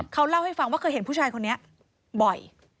เขาเล่าให้ฟังว่าเคยเห็นผู้ชายคนนี้บ่อย